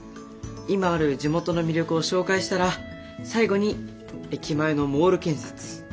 今ある地元の魅力を紹介したら最後に駅前のモール建設。